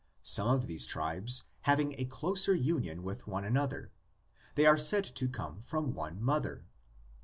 Some of these tribes having a closer union with one another, they are said to come from one mother.